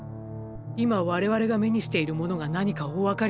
今我々が目にしているものが何かおわかりですか？